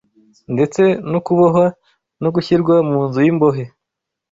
ndetse no kubohwa no gushyirwa mu nzu y’imbohe